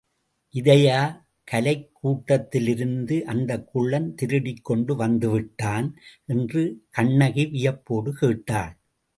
இதையா கலைக்கூடத்திலிருந்து அந்தக் குள்ளன் திருடிக்கொண்டு வந்துவிட்டான்? என்று கண்ணகி வியப்போடு கேட்டாள்.